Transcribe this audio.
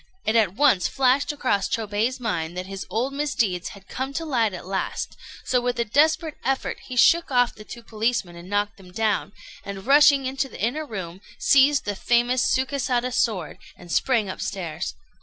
It at once flashed across Chôbei's mind that his old misdeeds had come to light at last, so with a desperate effort he shook off the two policemen and knocked them down, and, rushing into the inner room, seized the famous Sukésada sword and sprang upstairs.